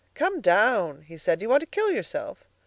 "Come down!" he said. "Do you want to kill yourself?"